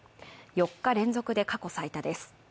４日連続で過去最多です。